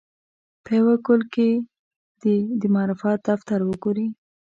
په یوه ګل کې دې د معرفت دفتر وګوري.